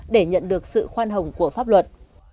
để nhận được sự khoan hồng của pháp luật